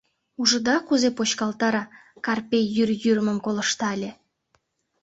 — Ужыда, кузе почкалтара, — Карпей йӱр йӱрмым колыштале.